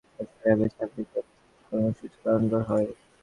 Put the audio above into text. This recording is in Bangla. গতকাল শুক্রবার সকালে চট্টগ্রাম প্রেসক্লাবের সামনে এসব কর্মসূচি পালন করা হয়।